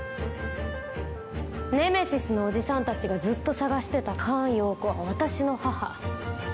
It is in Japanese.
ネメシスのおじさんたちがずっと捜してた菅容子は私の母。